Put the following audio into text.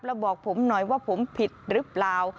แล้วบอกผมหน่อยว่าผมผิดหรือเปล่า